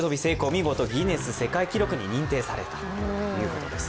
見事、ギネス世界記録に認定されたということです。